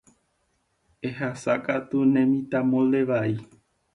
Ehasákatu ne mitã molde vai.